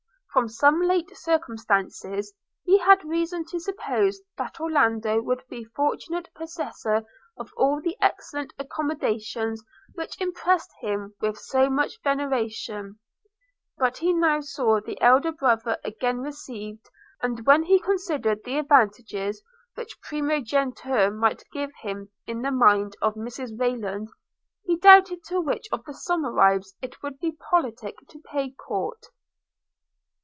From some late circumstances he had reason to suppose that Orlando would be fortunate possessor of all the excellent accommodations which impressed him with so much veneration: – but he now saw the elder brother again received, and when he considered the advantages which primogeniture might give him in the mind of Mrs Rayland, he doubted to which of the Somerives it would be politic to pay court.